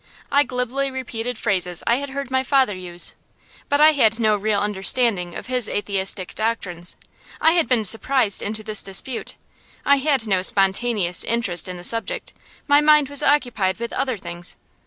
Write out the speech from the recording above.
I glibly repeated phrases I had heard my father use, but I had no real understanding of his atheistic doctrines. I had been surprised into this dispute. I had no spontaneous interest in the subject; my mind was occupied with other things.